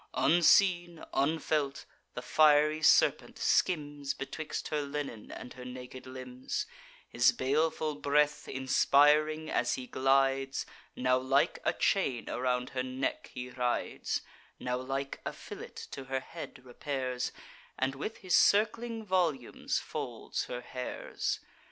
Unseen, unfelt, the fiery serpent skims Betwixt her linen and her naked limbs; His baleful breath inspiring, as he glides, Now like a chain around her neck he rides, Now like a fillet to her head repairs, And with his circling volumes folds her hairs.